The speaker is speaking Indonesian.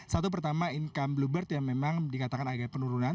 satu pertama income bluebird yang memang dikatakan agak penurunan